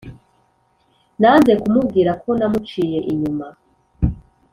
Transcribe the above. nanze kumubwira ko namuciye inyuma